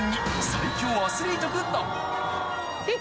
最強アスリート軍団！